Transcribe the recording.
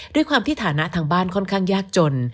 ด้วยความที่ฐานะทางบ้านค่อนข้างยากจน